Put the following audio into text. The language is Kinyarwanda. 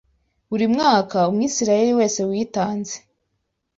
Buri mwaka, Umwisirayeli wese witanze